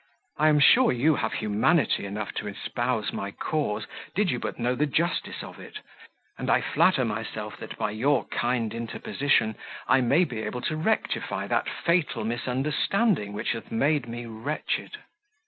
I am sure you have humanity enough to espouse my cause, did you but know the justice of it; and I flatter myself that by your kind interposition I may be able to rectify that fatal misunderstanding which hath made me wretched."